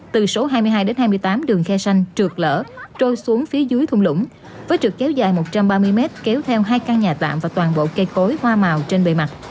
từ số hai mươi hai đến hai mươi tám đường khe xanh trượt lở trôi xuống phía dưới thung lũng với trực kéo dài một trăm ba mươi mét kéo theo hai căn nhà tạm và toàn bộ cây cối hoa màu trên bề mặt